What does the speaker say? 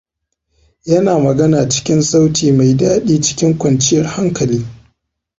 Yana magana cikin sauti mai daɗi cikin kwanciyar hankali.